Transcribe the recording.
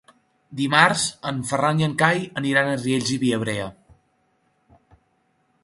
Dimarts en Ferran i en Cai aniran a Riells i Viabrea.